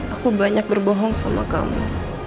aku banyak berbohong sama kamu